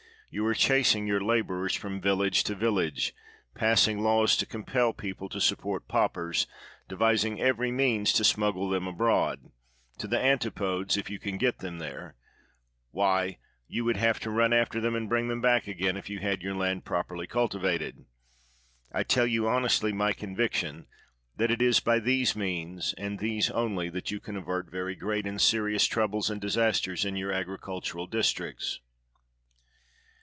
You are chasing your laborers from village to village, passing laws to compel people to support paupers, devising every means to smuggle them abroad — to the antipodes, if you can get them there; why, you would have to run after them, and bring them back again, if you had your land properly cultivated. I tell you honestly my conviction, that it is by these means, and these only, that you can avert very great and serious troubles and disasters in your agricultural districts.